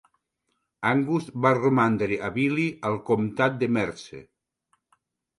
Angus va romandre a Billie, al comtat de Merse.